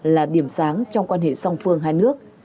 là điểm sáng trong quan hệ song phương hai nước